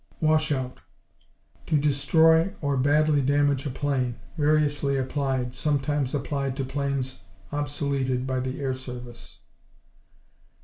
Wash out To destroy, or badly damage a plane. Variously applied. Sometimes applied to planes obsoleted by the air service.